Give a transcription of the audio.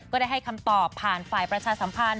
ได้ให้คำตอบผ่านฝ่ายประชาสัมพันธ